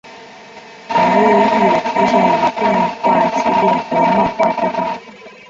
人物亦有出现于动画系列和漫画之中。